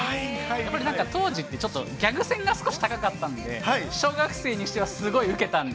やっぱりなんか、当時って、ギャグ線が少し高かったんで、小学生にしては、すごい受けたん